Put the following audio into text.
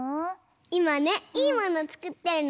いまねいいものつくってるの。